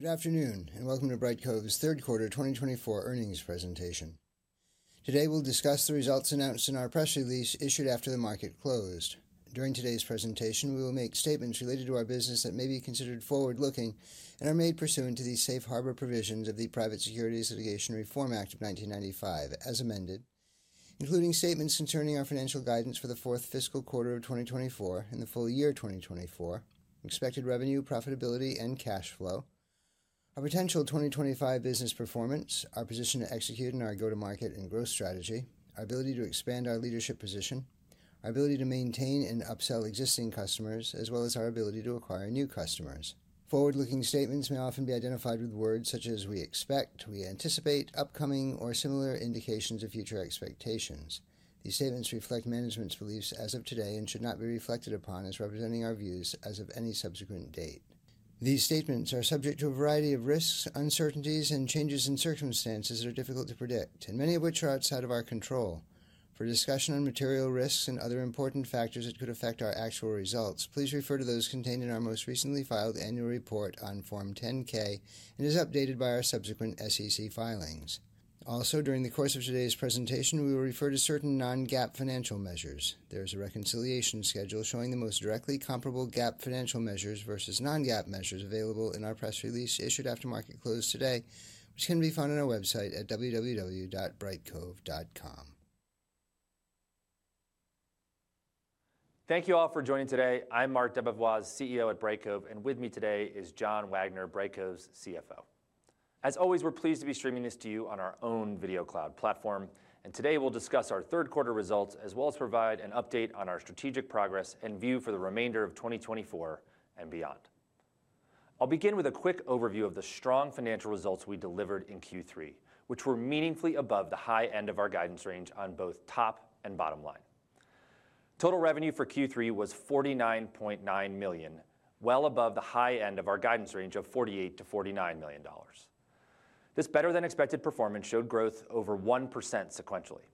Good afternoon, and welcome to Brightcove's third quarter 2024 earnings presentation. Today, we'll discuss the results announced in our press release issued after the market closed. During today's presentation, we will make statements related to our business that may be considered forward-looking and are made pursuant to the Safe Harbor Provisions of the Private Securities Litigation Reform Act of 1995, as amended, including statements concerning our financial guidance for the fourth fiscal quarter of 2024 and the full year 2024, expected revenue, profitability, and cash flow, our potential 2025 business performance, our position to execute in our go-to-market and growth strategy, our ability to expand our leadership position, our ability to maintain and upsell existing customers, as well as our ability to acquire new customers. Forward-looking statements may often be identified with words such as "we expect," "we anticipate," "upcoming," or similar indications of future expectations. These statements reflect management's beliefs as of today and should not be reflected upon as representing our views as of any subsequent date. These statements are subject to a variety of risks, uncertainties, and changes in circumstances that are difficult to predict, and many of which are outside of our control. For discussion on material risks and other important factors that could affect our actual results, please refer to those contained in our most recently filed annual report on Form 10-K and is updated by our subsequent SEC filings. Also, during the course of today's presentation, we will refer to certain non-GAAP financial measures. There is a reconciliation schedule showing the most directly comparable GAAP financial measures versus non-GAAP measures available in our press release issued after market close today, which can be found on our website at www.brightcove.com. Thank you all for joining today. I'm Marc DeBevoise, CEO at Brightcove, and with me today is John Wagner, Brightcove's CFO. As always, we're pleased to be streaming this to you on our own Video Cloud platform, and today we'll discuss our third quarter results as well as provide an update on our strategic progress and view for the remainder of 2024 and beyond. I'll begin with a quick overview of the strong financial results we delivered in Q3, which were meaningfully above the high end of our guidance range on both top and bottom line. Total revenue for Q3 was $49.9 million, well above the high end of our guidance range of $48 million-$49 million. This better-than-expected performance showed growth over 1% sequentially.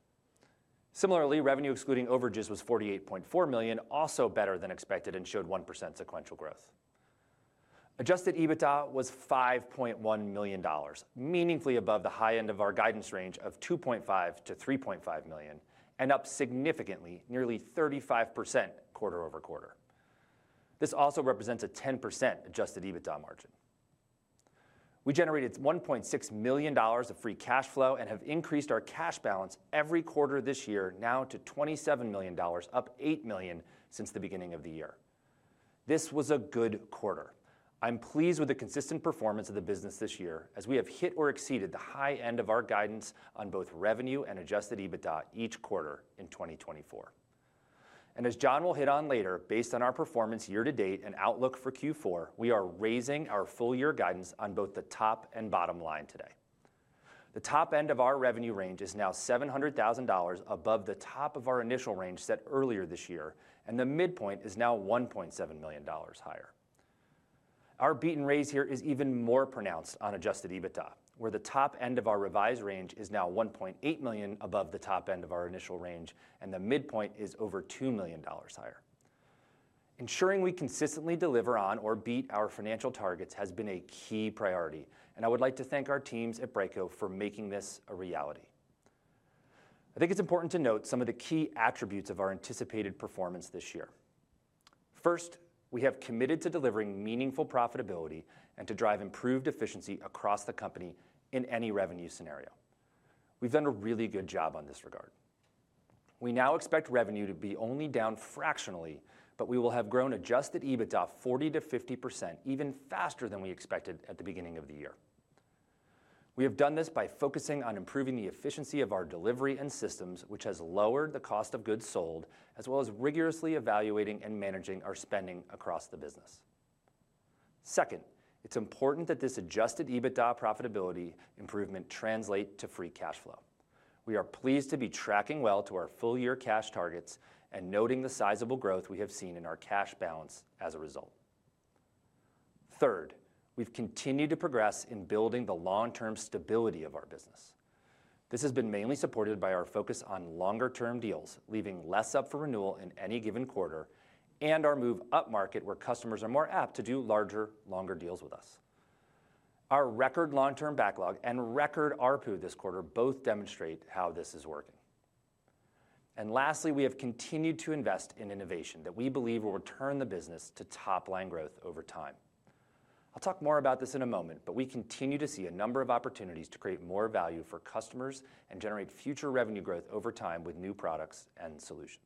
Similarly, revenue excluding overages was $48.4 million, also better than expected and showed 1% sequential growth. Adjusted EBITDA was $5.1 million, meaningfully above the high end of our guidance range of $2.5 million-$3.5 million, and up significantly, nearly 35% quarter-over-quarter. This also represents a 10% adjusted EBITDA margin. We generated $1.6 million of free cash flow and have increased our cash balance every quarter this year now to $27 million, up $8 million since the beginning of the year. This was a good quarter. I'm pleased with the consistent performance of the business this year as we have hit or exceeded the high end of our guidance on both revenue and adjusted EBITDA each quarter in 2024, and as John will hit on later, based on our performance year to date and outlook for Q4, we are raising our full-year guidance on both the top and bottom line today. The top end of our revenue range is now $700,000 above the top of our initial range set earlier this year, and the midpoint is now $1.7 million higher. Our beat and raise here is even more pronounced on Adjusted EBITDA, where the top end of our revised range is now $1.8 million above the top end of our initial range, and the midpoint is over $2 million higher. Ensuring we consistently deliver on or beat our financial targets has been a key priority, and I would like to thank our teams at Brightcove for making this a reality. I think it's important to note some of the key attributes of our anticipated performance this year. First, we have committed to delivering meaningful profitability and to drive improved efficiency across the company in any revenue scenario. We've done a really good job on this regard. We now expect revenue to be only down fractionally, but we will have grown Adjusted EBITDA 40%-50% even faster than we expected at the beginning of the year. We have done this by focusing on improving the efficiency of our delivery and systems, which has lowered the Cost of Goods Sold, as well as rigorously evaluating and managing our spending across the business. Second, it's important that this Adjusted EBITDA profitability improvement translates to Free Cash Flow. We are pleased to be tracking well to our full-year cash targets and noting the sizable growth we have seen in our cash balance as a result. Third, we've continued to progress in building the long-term stability of our business. This has been mainly supported by our focus on longer-term deals, leaving less up for renewal in any given quarter, and our move up market where customers are more apt to do larger, longer deals with us. Our record long-term backlog and record ARPU this quarter both demonstrate how this is working. And lastly, we have continued to invest in innovation that we believe will return the business to top-line growth over time. I'll talk more about this in a moment, but we continue to see a number of opportunities to create more value for customers and generate future revenue growth over time with new products and solutions.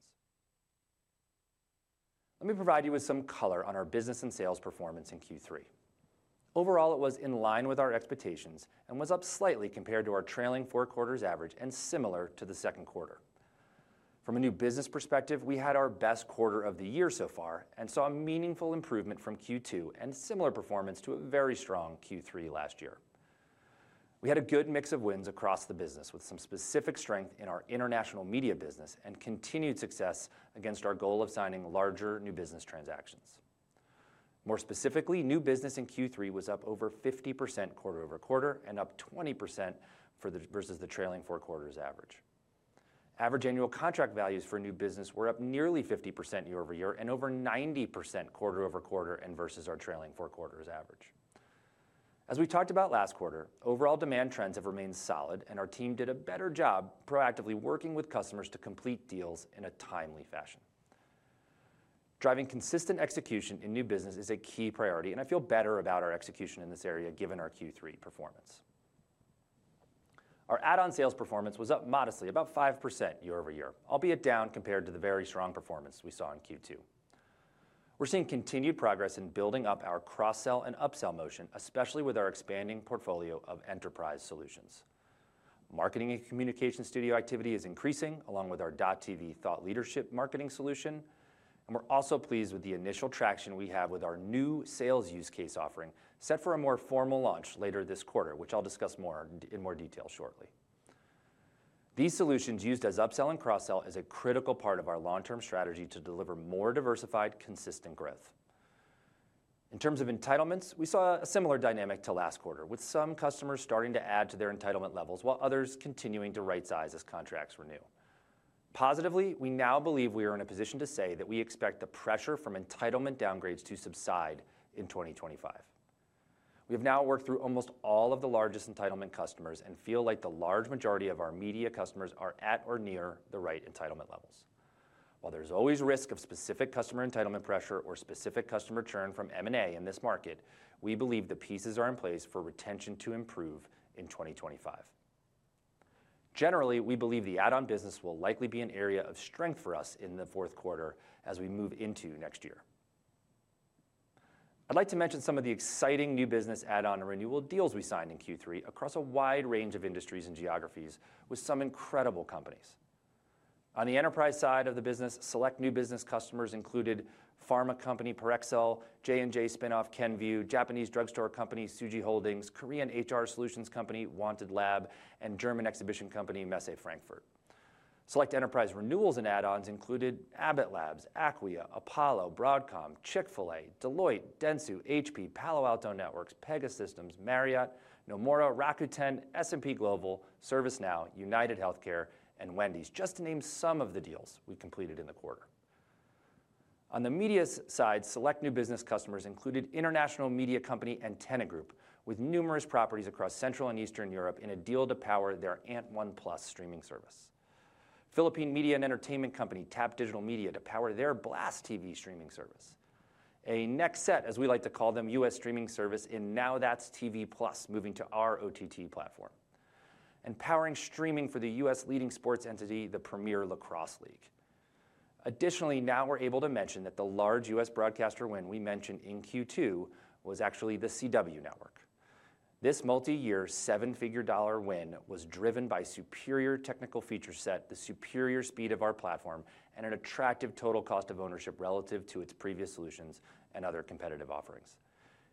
Let me provide you with some color on our business and sales performance in Q3. Overall, it was in line with our expectations and was up slightly compared to our trailing four quarters average and similar to the second quarter. From a new business perspective, we had our best quarter of the year so far and saw a meaningful improvement from Q2 and similar performance to a very strong Q3 last year. We had a good mix of wins across the business with some specific strength in our international media business and continued success against our goal of signing larger new business transactions. More specifically, new business in Q3 was up over 50% quarter-over-quarter and up 20% versus the trailing four quarters average. Average annual contract values for new business were up nearly 50% year-over-year and over 90% quarter-over-quarter and versus our trailing four quarters average. As we talked about last quarter, overall demand trends have remained solid, and our team did a better job proactively working with customers to complete deals in a timely fashion. Driving consistent execution in new business is a key priority, and I feel better about our execution in this area given our Q3 performance. Our add-on sales performance was up modestly, about 5% year-over-year, albeit down compared to the very strong performance we saw in Q2. We're seeing continued progress in building up our cross-sell and upsell motion, especially with our expanding portfolio of enterprise solutions. Marketing and Communications Studio activity is increasing, along with our Dot.TV thought leadership marketing solution, and we're also pleased with the initial traction we have with our new sales use case offering set for a more formal launch later this quarter, which I'll discuss more in detail shortly. These solutions used as upsell and cross-sell are a critical part of our long-term strategy to deliver more diversified, consistent growth. In terms of entitlements, we saw a similar dynamic to last quarter, with some customers starting to add to their entitlement levels while others continuing to right-size as contracts renew. Positively, we now believe we are in a position to say that we expect the pressure from entitlement downgrades to subside in 2025. We have now worked through almost all of the largest entitlement customers and feel like the large majority of our media customers are at or near the right entitlement levels. While there's always risk of specific customer entitlement pressure or specific customer churn from M&A in this market, we believe the pieces are in place for retention to improve in 2025. Generally, we believe the add-on business will likely be an area of strength for us in the fourth quarter as we move into next year. I'd like to mention some of the exciting new business add-on and renewal deals we signed in Q3 across a wide range of industries and geographies with some incredible companies. On the enterprise side of the business, select new business customers included pharma company Parexel, J&J spinoff Kenvue, Japanese drugstore company Sugi Holdings, Korean HR solutions company Wanted Lab, and German exhibition company Messe Frankfurt. Select enterprise renewals and add-ons included Abbott Labs, Acquia, Apollo, Broadcom, Chick-fil-A, Deloitte, Dentsu, HP, Palo Alto Networks, Pegasystems, Marriott, Nomura, Rakuten, S&P Global, ServiceNow, UnitedHealthcare, and Wendy's, just to name some of the deals we completed in the quarter. On the media side, select new business customers included international media company Antenna Group with numerous properties across Central and Eastern Europe in a deal to power their ANT1+ streaming service. Philippine media and entertainment company TAP Digital Media to power their BlastTV streaming service. A Next Set, as we like to call them, U.S. streaming service in Now That's TV+ moving to our OTT platform, and powering streaming for the U.S. leading sports entity, the Premier Lacrosse League. Additionally, now we're able to mention that the large U.S. broadcaster win we mentioned in Q2 was actually the CW Network. This multi-year, seven-figure dollar win was driven by superior technical feature set, the superior speed of our platform, and an attractive total cost of ownership relative to its previous solutions and other competitive offerings.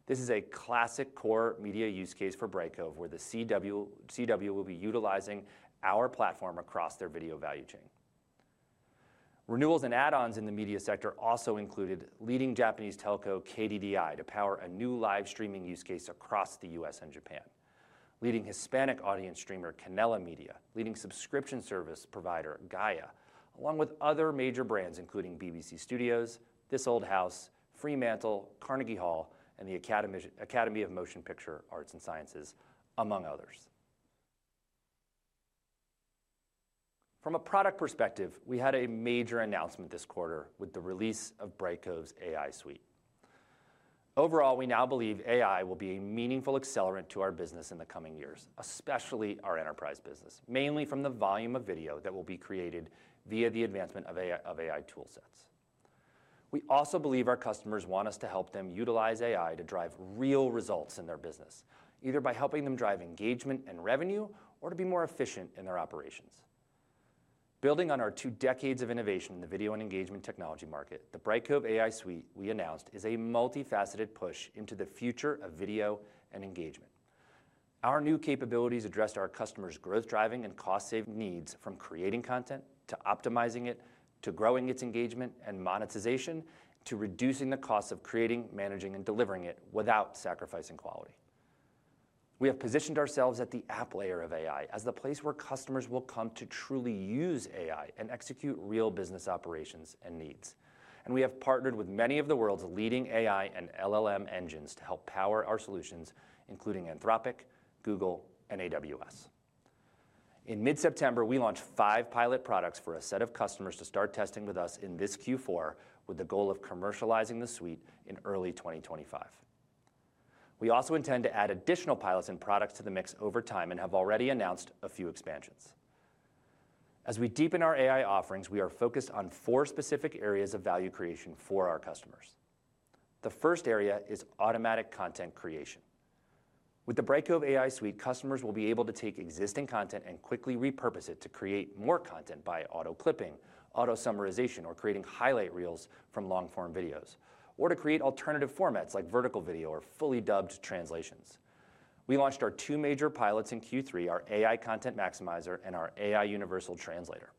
This is a classic core media use case for Brightcove, where the CW will be utilizing our platform across their video value chain. Renewals and add-ons in the media sector also included leading Japanese telco KDDI to power a new live streaming use case across the U.S. and Japan, leading Hispanic audience streamer Canela Media, leading subscription service provider Gaia, along with other major brands including BBC Studios, This Old House, Fremantle, Carnegie Hall, and the Academy of Motion Picture Arts and Sciences, among others. From a product perspective, we had a major announcement this quarter with the release of Brightcove's AI Suite. Overall, we now believe AI will be a meaningful accelerant to our business in the coming years, especially our enterprise business, mainly from the volume of video that will be created via the advancement of AI toolsets. We also believe our customers want us to help them utilize AI to drive real results in their business, either by helping them drive engagement and revenue or to be more efficient in their operations. Building on our two decades of innovation in the video and engagement technology market, the Brightcove AI Suite we announced is a multifaceted push into the future of video and engagement. Our new capabilities address our customers' growth-driving and cost-saving needs from creating content to optimizing it to growing its engagement and monetization to reducing the cost of creating, managing, and delivering it without sacrificing quality. We have positioned ourselves at the app layer of AI as the place where customers will come to truly use AI and execute real business operations and needs, and we have partnered with many of the world's leading AI and LLM engines to help power our solutions, including Anthropic, Google, and AWS. In mid-September, we launched five pilot products for a set of customers to start testing with us in this Q4 with the goal of commercializing the suite in early 2025. We also intend to add additional pilots and products to the mix over time and have already announced a few expansions. As we deepen our AI offerings, we are focused on four specific areas of value creation for our customers. The first area is automatic content creation. With the Brightcove AI Suite, customers will be able to take existing content and quickly repurpose it to create more content by auto-clipping, auto-summarization, or creating highlight reels from long-form videos, or to create alternative formats like vertical video or fully dubbed translations. We launched our two major pilots in Q3, our AI Content Maximizer and our AI Universal Translator.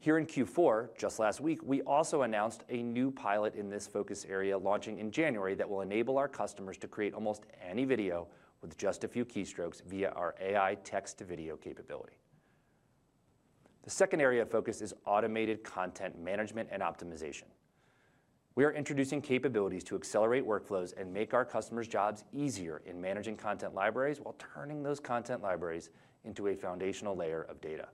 Here in Q4, just last week, we also announced a new pilot in this focus area launching in January that will enable our customers to create almost any video with just a few keystrokes via our AI text-to-video capability. The second area of focus is automated content management and optimization. We are introducing capabilities to accelerate workflows and make our customers' jobs easier in managing content libraries while turning those content libraries into a foundational layer of data.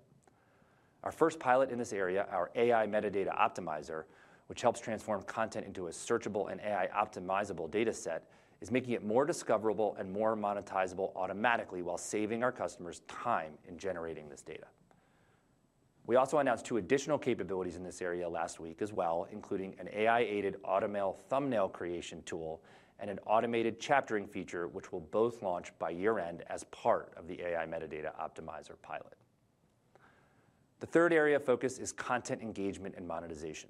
Our first pilot in this area, our AI Metadata Optimizer, which helps transform content into a searchable and AI-optimizable dataset, is making it more discoverable and more monetizable automatically while saving our customers time in generating this data. We also announced two additional capabilities in this area last week as well, including an AI-aided automated thumbnail creation tool and an automated chaptering feature, which will both launch by year-end as part of the AI Metadata Optimizer pilot. The third area of focus is content engagement and monetization.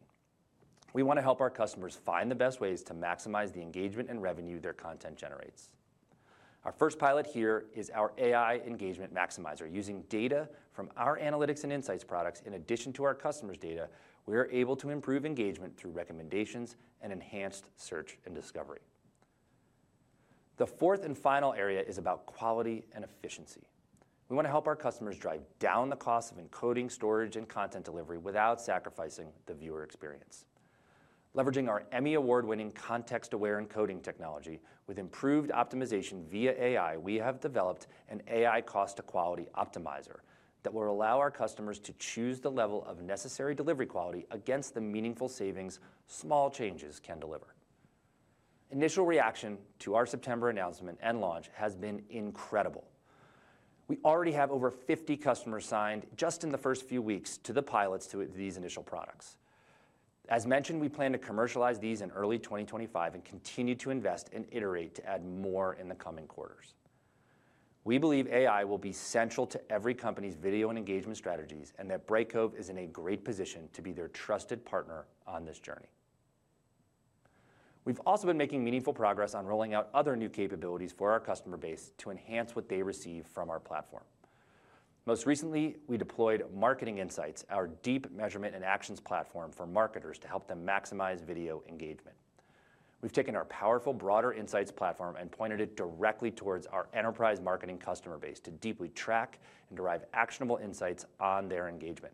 We want to help our customers find the best ways to maximize the engagement and revenue their content generates. Our first pilot here is our AI Engagement Maximizer. Using data from our analytics and insights products in addition to our customers' data, we are able to improve engagement through recommendations and enhanced search and discovery. The fourth and final area is about quality and efficiency. We want to help our customers drive down the cost of encoding, storage, and content delivery without sacrificing the viewer experience. Leveraging our Emmy Award-winning Context-Aware Encoding technology with improved optimization via AI, we have developed an AI Cost-to-Quality Optimizer that will allow our customers to choose the level of necessary delivery quality against the meaningful savings small changes can deliver. Initial reaction to our September announcement and launch has been incredible. We already have over 50 customers signed just in the first few weeks to the pilots to these initial products. As mentioned, we plan to commercialize these in early 2025 and continue to invest and iterate to add more in the coming quarters. We believe AI will be central to every company's video and engagement strategies and that Brightcove is in a great position to be their trusted partner on this journey. We've also been making meaningful progress on rolling out other new capabilities for our customer base to enhance what they receive from our platform. Most recently, we deployed Marketing Insights, our deep measurement and actions platform for marketers to help them maximize video engagement. We've taken our powerful broader insights platform and pointed it directly towards our enterprise marketing customer base to deeply track and derive actionable insights on their engagement.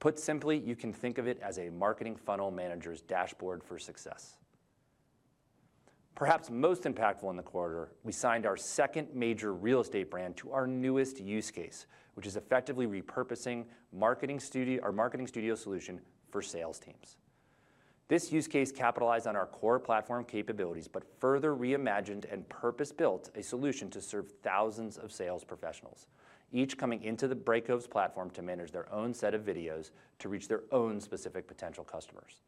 Put simply, you can think of it as a marketing funnel manager's dashboard for success. Perhaps most impactful in the quarter, we signed our second major real estate brand to our newest use case, which is effectively repurposing our marketing studio solution for sales teams. This use case capitalized on our core platform capabilities, but further reimagined and purpose-built a solution to serve thousands of sales professionals, each coming into the Brightcove's platform to manage their own set of videos to reach their own specific potential customers.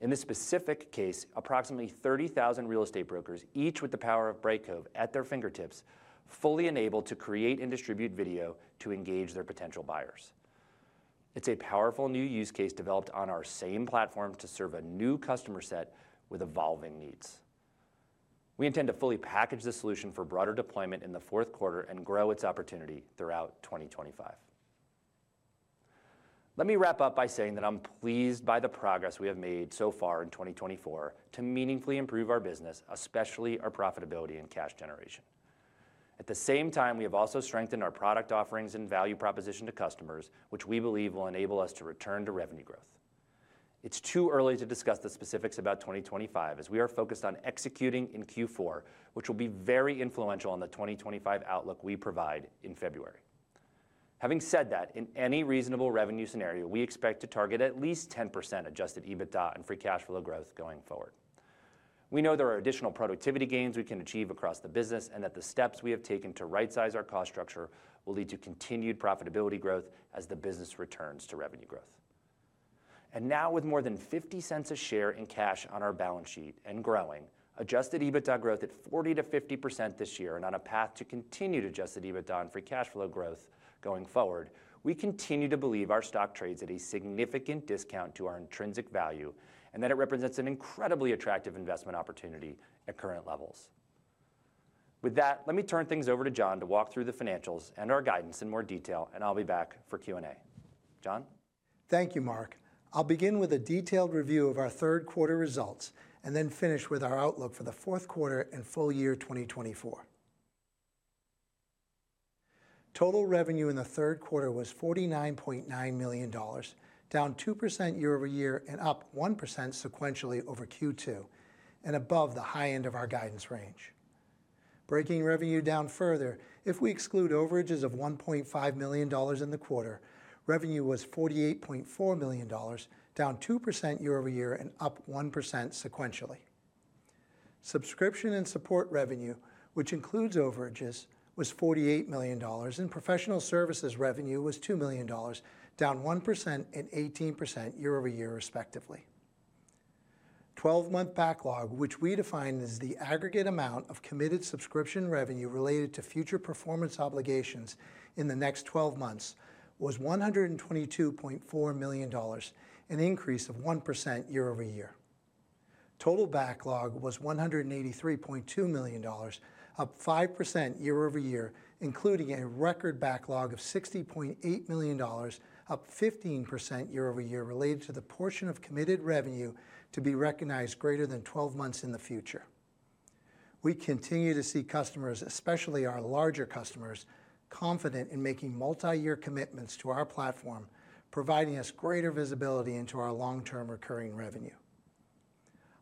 In this specific case, approximately 30,000 real estate brokers, each with the power of Brightcove at their fingertips, fully enabled to create and distribute video to engage their potential buyers. It's a powerful new use case developed on our same platform to serve a new customer set with evolving needs. We intend to fully package the solution for broader deployment in the fourth quarter and grow its opportunity throughout 2025. Let me wrap up by saying that I'm pleased by the progress we have made so far in 2024 to meaningfully improve our business, especially our profitability and cash generation. At the same time, we have also strengthened our product offerings and value proposition to customers, which we believe will enable us to return to revenue growth. It's too early to discuss the specifics about 2025 as we are focused on executing in Q4, which will be very influential on the 2025 outlook we provide in February. Having said that, in any reasonable revenue scenario, we expect to target at least 10% Adjusted EBITDA and Free Cash Flow growth going forward. We know there are additional productivity gains we can achieve across the business and that the steps we have taken to right-size our cost structure will lead to continued profitability growth as the business returns to revenue growth. And now, with more than $0.50 a share in cash on our balance sheet and growing, Adjusted EBITDA growth at 40%-50% this year and on a path to continued Adjusted EBITDA and free cash flow growth going forward, we continue to believe our stock trades at a significant discount to our intrinsic value and that it represents an incredibly attractive investment opportunity at current levels. With that, let me turn things over to John to walk through the financials and our guidance in more detail, and I'll be back for Q&A. John? Thank you, Marc. I'll begin with a detailed review of our third quarter results and then finish with our outlook for the fourth quarter and full year 2024. Total revenue in the third quarter was $49.9 million, down 2% year-over-year and up 1% sequentially over Q2, and above the high end of our guidance range. Breaking revenue down further, if we exclude overages of $1.5 million in the quarter, revenue was $48.4 million, down 2% year-over-year and up 1% sequentially. Subscription and support revenue, which includes overages, was $48 million, and professional services revenue was $2 million, down 1% and 18% year-over-year respectively. Twelve-month backlog, which we define as the aggregate amount of committed subscription revenue related to future performance obligations in the next 12 months, was $122.4 million, an increase of 1% year-over-year. Total backlog was $183.2 million, up 5% year-over-year, including a record backlog of $60.8 million, up 15% year-over-year related to the portion of committed revenue to be recognized greater than 12 months in the future. We continue to see customers, especially our larger customers, confident in making multi-year commitments to our platform, providing us greater visibility into our long-term recurring revenue.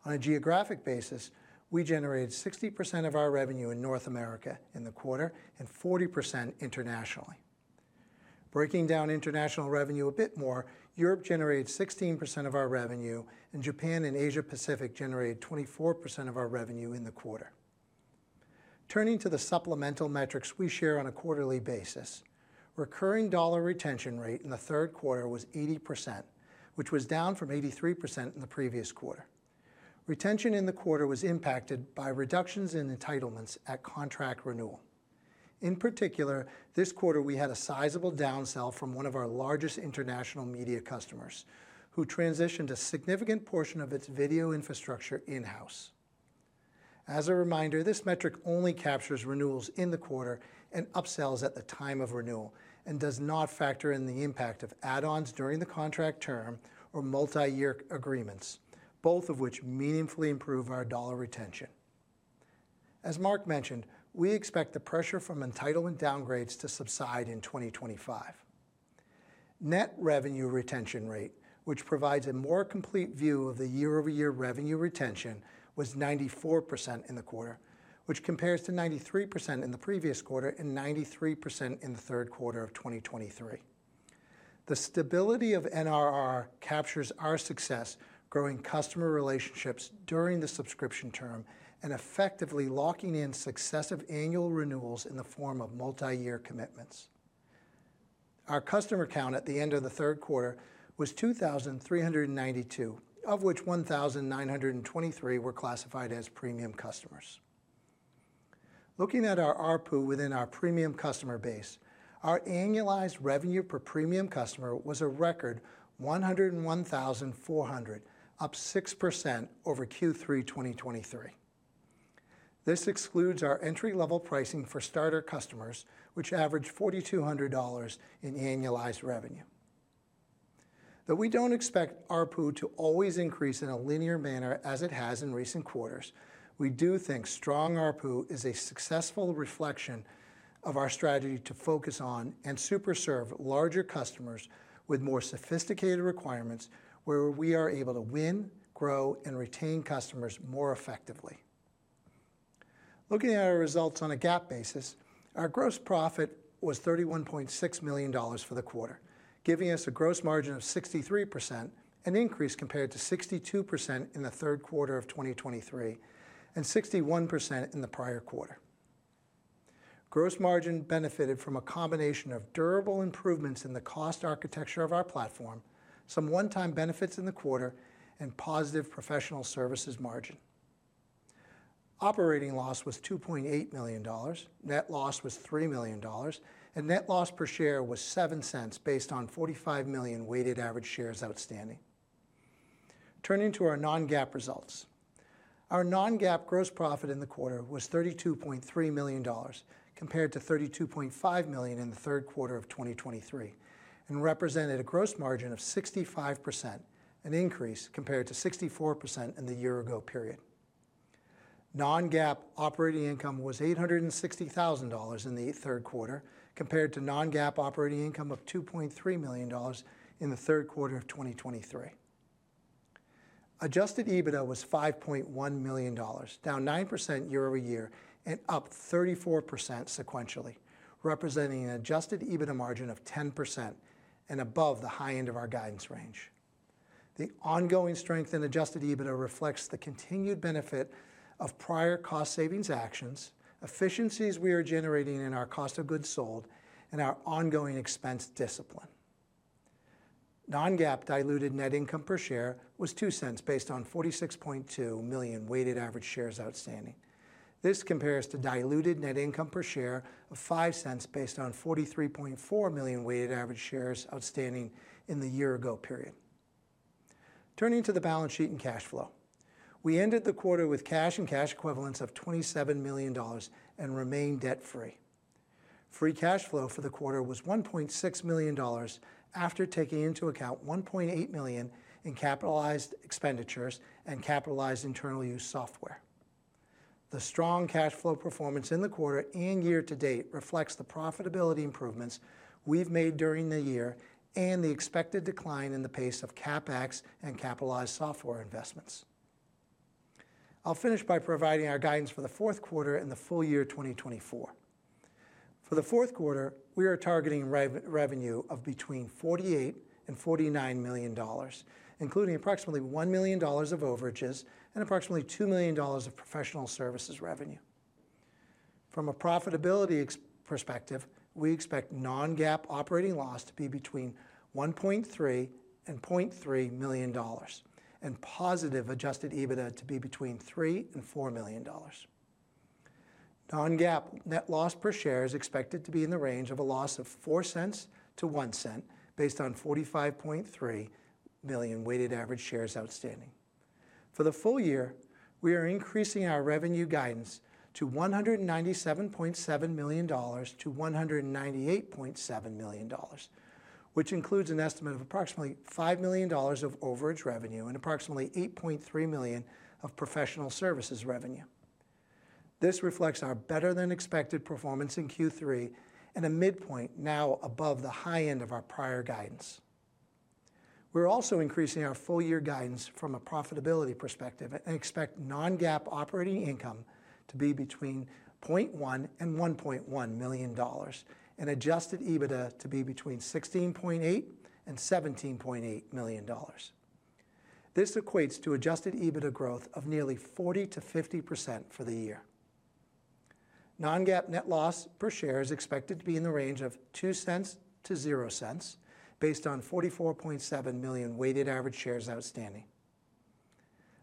On a geographic basis, we generated 60% of our revenue in North America in the quarter and 40% internationally. Breaking down international revenue a bit more, Europe generated 16% of our revenue, and Japan and Asia-Pacific generated 24% of our revenue in the quarter. Turning to the supplemental metrics we share on a quarterly basis, recurring dollar retention rate in the third quarter was 80%, which was down from 83% in the previous quarter. Retention in the quarter was impacted by reductions in entitlements at contract renewal. In particular, this quarter, we had a sizable downsell from one of our largest international media customers, who transitioned a significant portion of its video infrastructure in-house. As a reminder, this metric only captures renewals in the quarter and upsells at the time of renewal and does not factor in the impact of add-ons during the contract term or multi-year agreements, both of which meaningfully improve our dollar retention. As Marc mentioned, we expect the pressure from entitlement downgrades to subside in 2025. Net revenue retention rate, which provides a more complete view of the year-over-year revenue retention, was 94% in the quarter, which compares to 93% in the previous quarter and 93% in the third quarter of 2023. The stability of NRR captures our success growing customer relationships during the subscription term and effectively locking in successive annual renewals in the form of multi-year commitments. Our customer count at the end of the third quarter was 2,392, of which 1,923 were classified as premium customers. Looking at our ARPU within our premium customer base, our annualized revenue per premium customer was a record $101,400, up 6% over Q3 2023. This excludes our entry-level pricing for starter customers, which averaged $4,200 in annualized revenue. Though we don't expect ARPU to always increase in a linear manner as it has in recent quarters, we do think strong ARPU is a successful reflection of our strategy to focus on and superserve larger customers with more sophisticated requirements where we are able to win, grow, and retain customers more effectively. Looking at our results on a GAAP basis, our gross profit was $31.6 million for the quarter, giving us a gross margin of 63%, an increase compared to 62% in the third quarter of 2023 and 61% in the prior quarter. Gross margin benefited from a combination of durable improvements in the cost architecture of our platform, some one-time benefits in the quarter, and positive professional services margin. Operating loss was $2.8 million, net loss was $3 million, and net loss per share was $0.07 based on 45 million weighted average shares outstanding. Turning to our non-GAAP results, our non-GAAP gross profit in the quarter was $32.3 million compared to $32.5 million in the third quarter of 2023 and represented a gross margin of 65%, an increase compared to 64% in the year-ago period. Non-GAAP operating income was $860,000 in the third quarter compared to non-GAAP operating income of $2.3 million in the third quarter of 2023. Adjusted EBITDA was $5.1 million, down 9% year-over-year and up 34% sequentially, representing an adjusted EBITDA margin of 10% and above the high end of our guidance range. The ongoing strength in Adjusted EBITDA reflects the continued benefit of prior cost savings actions, efficiencies we are generating in our cost of goods sold, and our ongoing expense discipline. Non-GAAP diluted net income per share was $0.02 based on 46.2 million weighted average shares outstanding. This compares to diluted net income per share of $0.05 based on 43.4 million weighted average shares outstanding in the year-ago period. Turning to the balance sheet and cash flow, we ended the quarter with cash and cash equivalents of $27 million and remained debt-free. Free cash flow for the quarter was $1.6 million after taking into account $1.8 million in capitalized expenditures and capitalized internal use software. The strong cash flow performance in the quarter and year-to-date reflects the profitability improvements we've made during the year and the expected decline in the pace of CapEx and capitalized software investments. I'll finish by providing our guidance for the fourth quarter and the full year 2024. For the fourth quarter, we are targeting revenue of between $48-$49 million, including approximately $1 million of overage and approximately $2 million of professional services revenue. From a profitability perspective, we expect non-GAAP operating loss to be between $1.3 million-$0.3 million and positive Adjusted EBITDA to be between $3 million-$4 million. Non-GAAP net loss per share is expected to be in the range of a loss of $0.04-$0.01 based on 45.3 million weighted average shares outstanding. For the full year, we are increasing our revenue guidance to $197.7-$198.7 million, which includes an estimate of approximately $5 million of overage revenue and approximately $8.3 million of professional services revenue. This reflects our better-than-expected performance in Q3 and a midpoint now above the high end of our prior guidance. We're also increasing our full-year guidance from a profitability perspective and expect non-GAAP operating income to be between $0.1 and $1.1 million and adjusted EBITDA to be between $16.8 and $17.8 million. This equates to adjusted EBITDA growth of nearly 40%-50% for the year. Non-GAAP net loss per share is expected to be in the range of $0.02-$0.00 based on 44.7 million weighted average shares outstanding.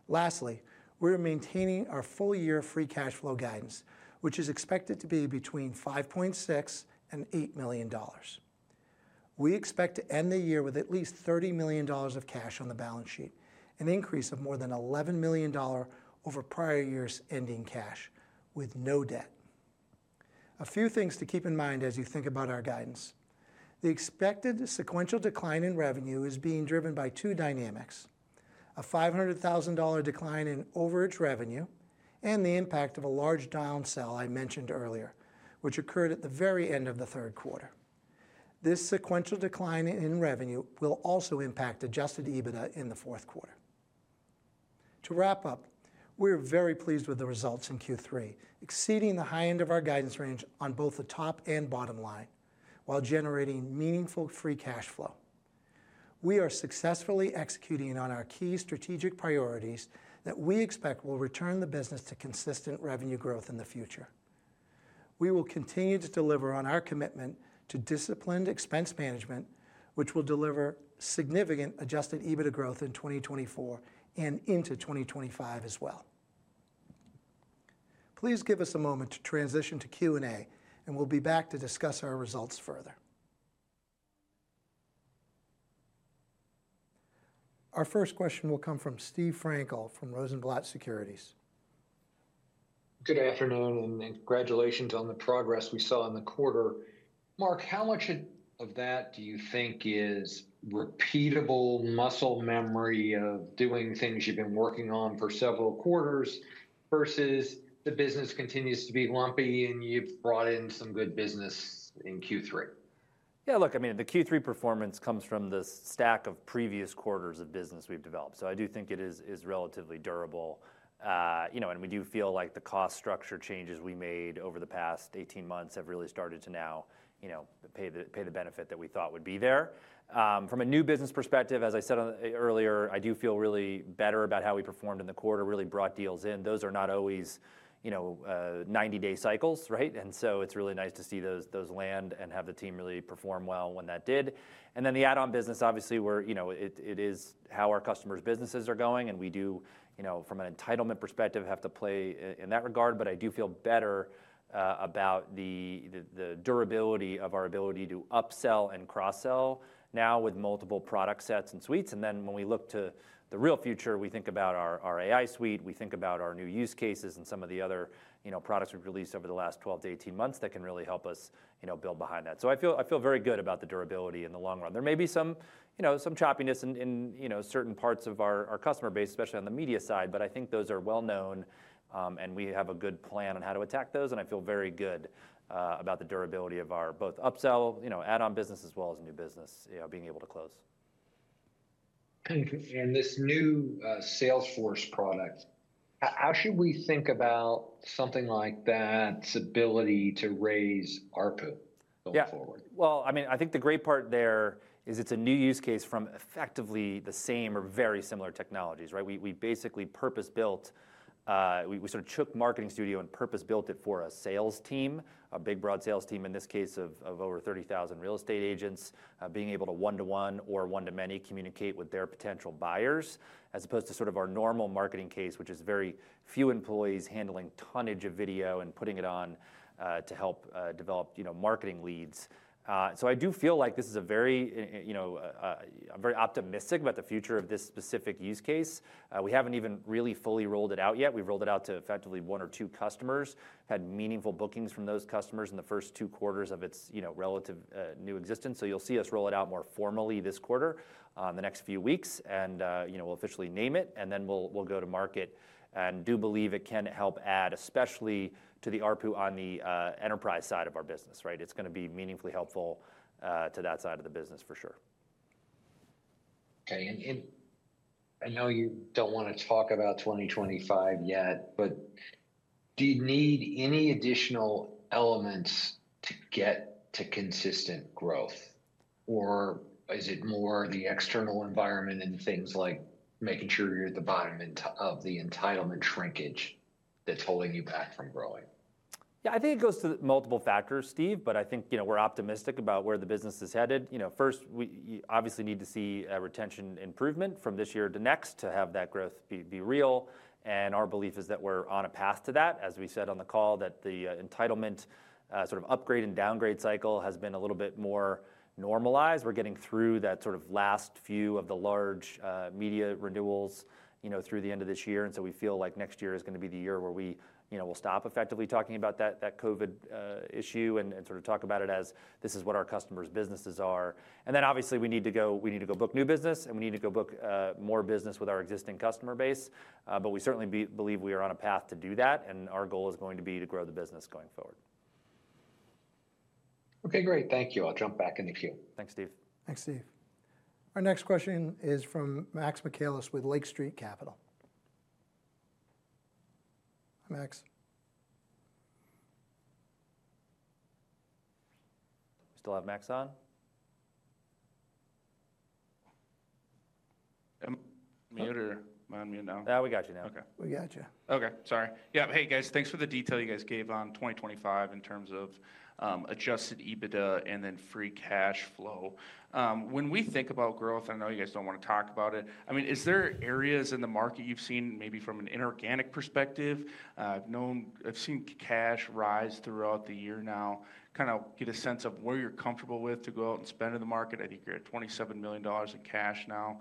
Lastly, we're maintaining our full-year free cash flow guidance, which is expected to be between $5.6 and $8 million. We expect to end the year with at least $30 million of cash on the balance sheet, an increase of more than $11 million over prior years' ending cash with no debt. A few things to keep in mind as you think about our guidance. The expected sequential decline in revenue is being driven by two dynamics: a $500,000 decline in overage revenue and the impact of a large downsell I mentioned earlier, which occurred at the very end of the third quarter. This sequential decline in revenue will also impact Adjusted EBITDA in the fourth quarter. To wrap up, we're very pleased with the results in Q3, exceeding the high end of our guidance range on both the top and bottom line while generating meaningful Free Cash Flow. We are successfully executing on our key strategic priorities that we expect will return the business to consistent revenue growth in the future. We will continue to deliver on our commitment to disciplined expense management, which will deliver significant Adjusted EBITDA growth in 2024 and into 2025 as well. Please give us a moment to transition to Q&A, and we'll be back to discuss our results further. Our first question will come from Steve Frankel from Rosenblatt Securities. Good afternoon and congratulations on the progress we saw in the quarter. Mark, how much of that do you think is repeatable muscle memory of doing things you've been working on for several quarters versus the business continues to be lumpy and you've brought in some good business in Q3? Yeah, look, I mean, the Q3 performance comes from the stack of previous quarters of business we've developed, so I do think it is relatively durable. You know, and we do feel like the cost structure changes we made over the past 18 months have really started to now, you know, pay the benefit that we thought would be there. From a new business perspective, as I said earlier, I do feel really better about how we performed in the quarter, really brought deals in. Those are not always, you know, 90-day cycles, right, and so it's really nice to see those land and have the team really perform well when that did, and then the add-on business, obviously, where, you know, it is how our customers' businesses are going, and we do, you know, from an entitlement perspective, have to play in that regard, but I do feel better about the durability of our ability to upsell and cross-sell now with multiple product sets and suites. And then when we look to the real future, we think about our AI suite, we think about our new use cases and some of the other products we've released over the last 12-18 months that can really help us build behind that. So I feel very good about the durability in the long run. There may be some, you know, some choppiness in certain parts of our customer base, especially on the media side, but I think those are well-known and we have a good plan on how to attack those. And I feel very good about the durability of our both upsell, you know, add-on business as well as new business, you know, being able to close. And this new sales force product, how should we think about something like that's ability to raise ARPU going forward? Yeah, well, I mean, I think the great part there is it's a new use case from effectively the same or very similar technologies, right? We basically purpose-built, we sort of took Marketing Studio and purpose-built it for a sales team, a big broad sales team in this case of over 30,000 real estate agents, being able to one-to-one or one-to-many communicate with their potential buyers as opposed to sort of our normal marketing case, which is very few employees handling tonnage of video and putting it on to help develop, you know, marketing leads. So I do feel like this is a very, you know, I'm very optimistic about the future of this specific use case. We haven't even really fully rolled it out yet. We've rolled it out to effectively one or two customers, had meaningful bookings from those customers in the first two quarters of its, you know, relatively new existence. So you'll see us roll it out more formally this quarter, the next few weeks, and, you know, we'll officially name it and then we'll go to market. And I do believe it can help add, especially to the ARPU on the enterprise side of our business, right? It's going to be meaningfully helpful to that side of the business for sure. Okay. And I know you don't want to talk about 2025 yet, but do you need any additional elements to get to consistent growth, or is it more the external environment and things like making sure you're at the bottom of the entitlement shrinkage that's holding you back from growing? Yeah, I think it goes to multiple factors, Steve, but I think, you know, we're optimistic about where the business is headed. You know, first, we obviously need to see a retention improvement from this year to next to have that growth be real. And our belief is that we're on a path to that. As we said on the call, that the entitlement sort of upgrade and downgrade cycle has been a little bit more normalized. We're getting through that sort of last few of the large media renewals, you know, through the end of this year. And so we feel like next year is going to be the year where we, you know, will stop effectively talking about that COVID issue and sort of talk about it as this is what our customers' businesses are. Then obviously we need to go, we need to go book new business and we need to go book more business with our existing customer base. But we certainly believe we are on a path to do that. And our goal is going to be to grow the business going forward. Okay, great. Thank you. I'll jump back in the queue. Thanks, Steve. Thanks, Steve. Our next question is from Max Michaelis with Lake Street Capital Markets. Hi, Max. We still have Max on? I'm on mute or on mute now? Yeah, we got you now. Okay. We got you. Okay. Sorry. Yeah. Hey guys, thanks for the detail you guys gave on 2025 in terms of Adjusted EBITDA and then Free Cash Flow. When we think about growth, and I know you guys don't want to talk about it, I mean, is there areas in the market you've seen maybe from an inorganic perspective? I've known, I've seen cash rise throughout the year now, kind of get a sense of where you're comfortable with to go out and spend in the market. I think you're at $27 million in cash now.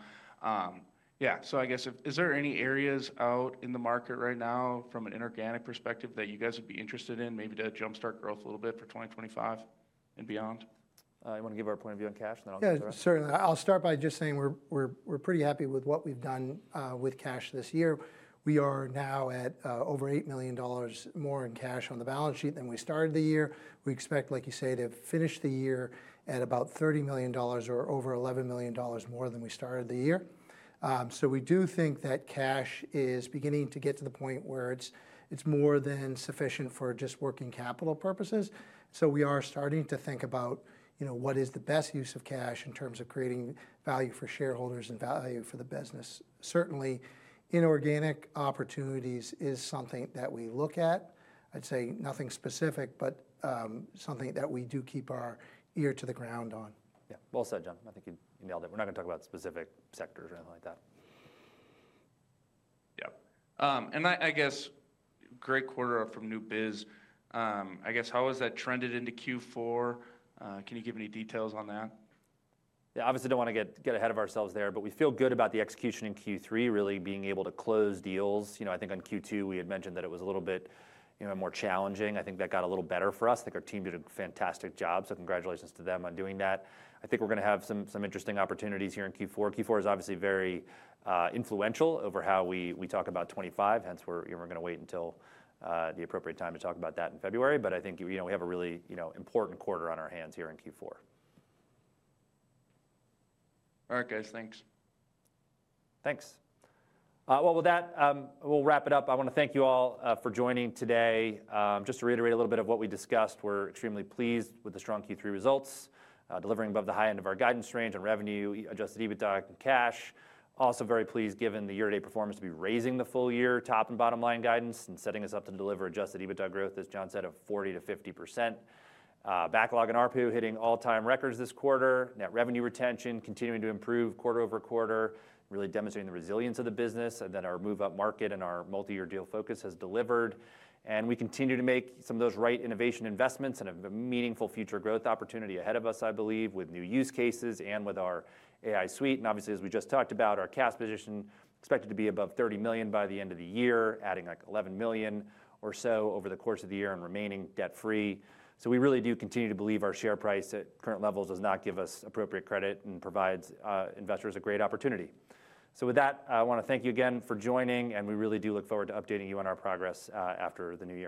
Yeah. So I guess, is there any areas out in the market right now from an inorganic perspective that you guys would be interested in maybe to jumpstart growth a little bit for 2025 and beyond? You want to give our point of view on cash, and then I'll go to you. Sure, I'll start by just saying we're pretty happy with what we've done with cash this year. We are now at over $8 million more in cash on the balance sheet than we started the year. We expect, like you say, to finish the year at about $30 million or over $11 million more than we started the year. So we do think that cash is beginning to get to the point where it's more than sufficient for just working capital purposes. So we are starting to think about, you know, what is the best use of cash in terms of creating value for shareholders and value for the business. Certainly, inorganic opportunities is something that we look at. I'd say nothing specific, but something that we do keep our ear to the ground on. Yeah. Well said, John. I think you nailed it. We're not going to talk about specific sectors or anything like that. Yeah. And I guess great quarter up from new biz. I guess, how has that trended into Q4? Can you give any details on that? Yeah, obviously don't want to get ahead of ourselves there, but we feel good about the execution in Q3, really being able to close deals. You know, I think on Q2 we had mentioned that it was a little bit, you know, more challenging. I think that got a little better for us. I think our team did a fantastic job, so congratulations to them on doing that. I think we're going to have some interesting opportunities here in Q4. Q4 is obviously very influential over how we talk about 2025, hence we're going to wait until the appropriate time to talk about that in February. But I think, you know, we have a really, you know, important quarter on our hands here in Q4. All right, guys. Thanks. Thanks. With that, we'll wrap it up. I want to thank you all for joining today. Just to reiterate a little bit of what we discussed, we're extremely pleased with the strong Q3 results, delivering above the high end of our guidance range on revenue, adjusted EBITDA and cash. Also very pleased given the year-to-date performance to be raising the full-year top and bottom line guidance and setting us up to deliver adjusted EBITDA growth, as John said, of 40%-50%. Backlog in ARPU hitting all-time records this quarter. Net revenue retention continuing to improve quarter-over-quarter, really demonstrating the resilience of the business. And then our move-up market and our multi-year deal focus has delivered. And we continue to make some of those right innovation investments and have a meaningful future growth opportunity ahead of us, I believe, with new use cases and with our AI Suite. Obviously, as we just talked about, our cash position expected to be above $30 million by the end of the year, adding like $11 million or so over the course of the year and remaining debt-free. We really do continue to believe our share price at current levels does not give us appropriate credit and provides investors a great opportunity. With that, I want to thank you again for joining, and we really do look forward to updating you on our progress after the new year.